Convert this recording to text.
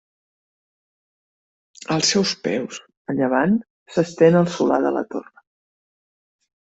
Als seus peus, a llevant, s'estén el Solà de la Torre.